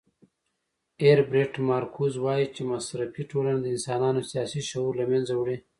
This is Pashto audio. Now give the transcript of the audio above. هیربرټ مارکوز وایي چې مصرفي ټولنه د انسانانو سیاسي شعور له منځه وړي.